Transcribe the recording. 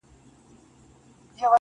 دي ښاد سي د ځواني دي خاوري نه سي